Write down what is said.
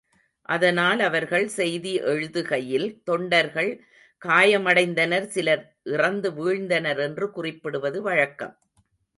அதனால் அவர்கள் செய்தி எழுதுகையில் தொண்டர்கள் காயமடைந்தனர் சிலர் இறந்து வீழ்ந்தனர் என்று குறிப்பிடுவது வழக்கம்.